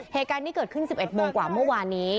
เหตุการณ์นี้เกิดขึ้น๑๑โมงกว่าเมื่อวานนี้